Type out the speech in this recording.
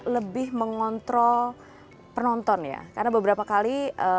lebih mengontrol penonton ya karena beberapa kali